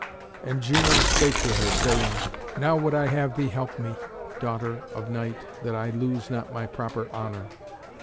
And Juno spake to her, saying, "Now would I have thee help me, Daughter of Night, that I lose not my proper honour.